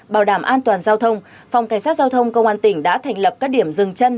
bảo đảm an toàn giao thông phòng cảnh sát giao thông công an tỉnh đã thành lập các điểm dừng chân